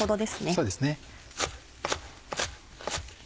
そうですね。